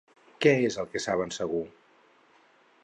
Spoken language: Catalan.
Què és el que saben segur?